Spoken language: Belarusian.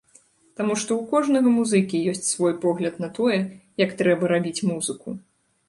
Таму што ў кожнага музыкі ёсць свой погляд на тое, як трэба рабіць музыку.